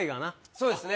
そうですね。